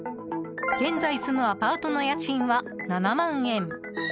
現在住むアパートの家賃は７万円。